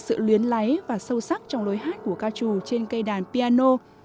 cachou là một trong những nhạc cụ đặc biệt và sâu sắc trong lối hát của cachou trên cây đàn piano